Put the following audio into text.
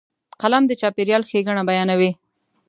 قلم د چاپېریال ښېګڼه بیانوي